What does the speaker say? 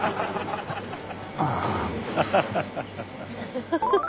ああ。